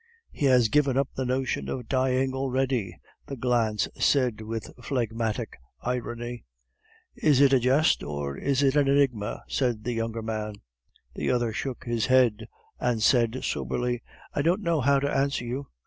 "He has given up the notion of dying already," the glance said with phlegmatic irony. "Is it a jest, or is it an enigma?" asked the younger man. The other shook his head and said soberly: "I don't know how to answer you.